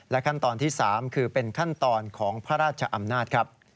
ขั้นตอนที่๓คือเป็นขั้นตอนของพระราชอำนาจครับ